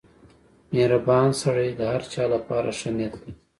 • مهربان سړی د هر چا لپاره ښه نیت لري.